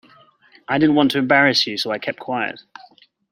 I didn't want to embarrass you so I kept quiet.